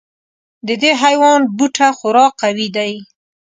د دې حیوان بوټه خورا قوي دی.